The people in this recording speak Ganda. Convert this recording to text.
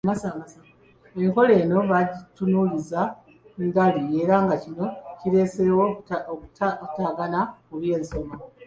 Enkola eno baagitunuuliza ndali era nga kino kireseewo okutataagana mu by’ensoma